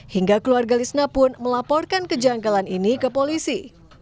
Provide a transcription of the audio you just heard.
hingga keluarga lisna pun melaporkan kejanggalan ini ke polisi